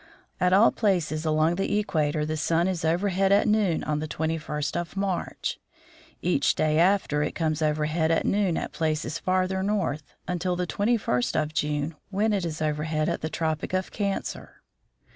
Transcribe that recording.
At all places along the equator the sun is overhead at noon on the 21st of March. Each day after, it comes overhead at noon at places farther north, until the 21st of June, when it is overhead at the tropic of Cancer.